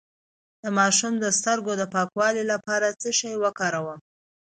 د ماشوم د سترګو د پاکوالي لپاره څه شی وکاروم؟